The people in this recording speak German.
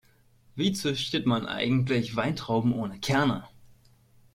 Wie züchtet man eigentlich Weintrauben ohne Kerne?